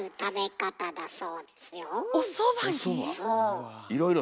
そう。